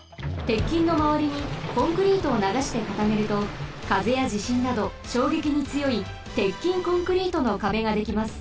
鉄筋のまわりにコンクリートをながしてかためるとかぜやじしんなどしょうげきにつよい鉄筋コンクリートの壁ができます。